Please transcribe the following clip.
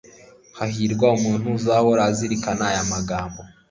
hahirwa umuntu uzahora azirikana aya magambo